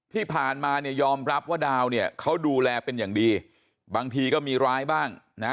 ที่ผ่านมาเนี่ยยอมรับว่าดาวเนี่ยเขาดูแลเป็นอย่างดีบางทีก็มีร้ายบ้างนะ